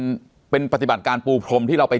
จนถึงปัจจุบันมีการมารายงานตัว